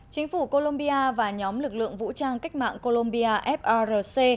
chính phủ colombia và nhóm lực lượng vũ trang cách mạng colombia frc